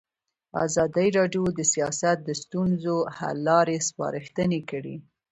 ازادي راډیو د سیاست د ستونزو حل لارې سپارښتنې کړي.